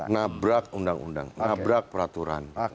nabrak undang undang nabrak peraturan